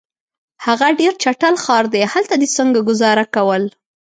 هغه ډېر چټل ښار دی، هلته دي څنګه ګذاره کول؟